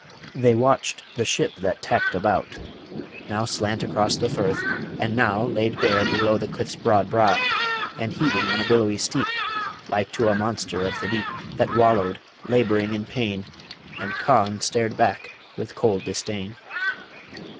They watched the ship that tacked about, Now slant across the firth, and now Laid bare below the cliff's broad brow, And heaving on a billowy steep, Like to a monster of the deep That wallowed, labouring in pain And Conn stared back with cold disdain.